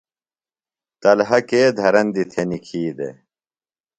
طلحہ کے دھرندیۡ تھےۡ نِکھی دےۡ؟